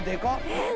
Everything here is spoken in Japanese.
えっ？